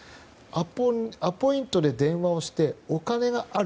アポイントで電話をしてお金がある。